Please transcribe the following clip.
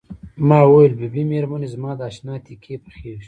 ما وویل بي بي مېرمنې زما د اشنا تیکې پخیږي.